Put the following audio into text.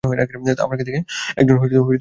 আপনাকে দেখে একজন ভদ্র নাগরিক মনে হয়।